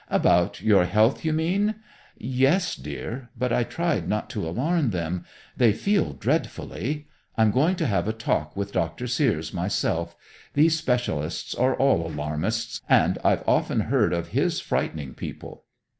"About your health, you mean? Yes, dear, but I tried not to alarm them. They feel dreadfully. I'm going to have a talk with Dr. Seares myself. These specialists are all alarmists, and I've often heard of his frightening people."